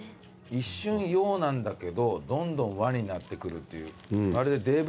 一瞬洋なんだけどどんどん和になってくるっていう。